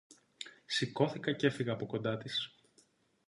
Σηκώθηκα κι έφυγα από κοντά της